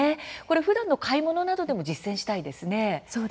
ふだんの買い物の時にも実践したいですね。